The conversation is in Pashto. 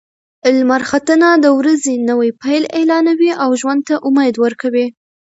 لمر ختنه د ورځې نوی پیل اعلانوي او ژوند ته امید ورکوي.